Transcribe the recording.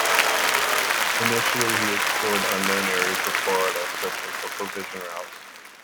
Initially he explored unknown areas of Florida, searching for provision routes.